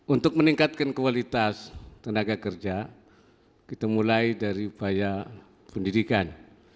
untuk meningkatkan kualitas tenaga kerja kita mulai dari upaya pendidikan